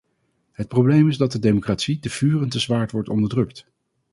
Het probleem is dat de democratie te vuur en te zwaard wordt onderdrukt.